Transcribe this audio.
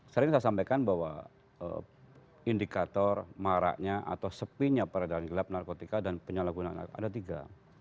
sering saya sampaikan bahwa indikator maraknya atau sepinya peredaran gelap narkotika dan penyalahgunaan narkoba ada tiga